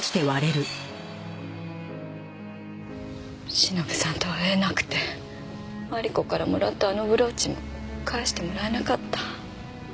忍さんと会えなくてマリコからもらったあのブローチも返してもらえなかった。